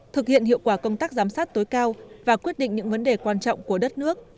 thực hiện hiệu quả công tác giám sát tối cao và quyết định những vấn đề quan trọng của đất nước